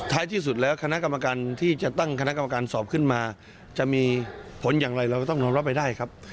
ที่สุดแล้วคณะกรรมการที่จะตั้งคณะกรรมการสอบขึ้นมาจะมีผลอย่างไรเราก็ต้องยอมรับไปได้ครับ